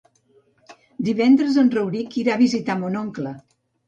Divendres en Rauric irà a visitar mon oncle.